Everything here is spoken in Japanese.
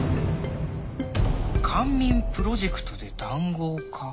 「官民プロジェクトで談合か！？